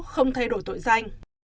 không thay đổi tội danh